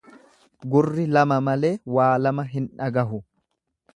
Gurri lama malee, waalama hin dhagahu.